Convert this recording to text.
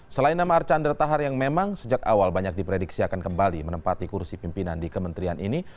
selain nama archandra tahar yang memang sejak awal banyak diprediksi akan kembali menempati kursi pimpinan di kementerian ini